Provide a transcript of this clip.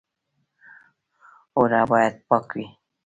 اوړه باید پاک وي